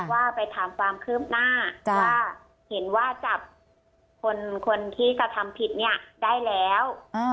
ว่าไปถามความคืบหน้าว่าเห็นว่าจับคนที่กระทำผิดเนี่ยได้แล้ว